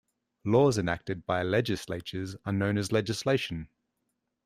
Laws enacted by legislatures are known as legislation.